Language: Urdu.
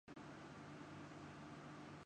ابھی ہم نوجوان تھے۔